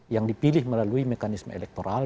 yang dipilih melalui mekanisme elektoral